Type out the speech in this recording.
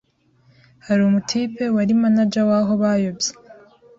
Hari umutipe wari manaja waho wabayobye